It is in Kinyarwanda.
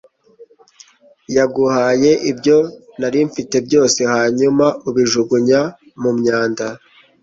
Yaguhaye ibyo nari mfite byose hanyuma ubijugunya mu myanda